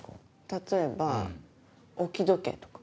例えば置き時計とか。